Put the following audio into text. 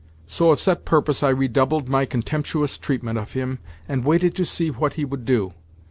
"So of set purpose I redoubled my contemptuous treatment of him, and waited to see what he would do.